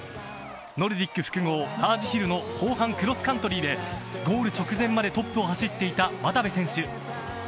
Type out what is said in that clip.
ノルディック複合ラージヒルの後半、クロスカントリーでゴール直前までトップを走っていた渡部選手。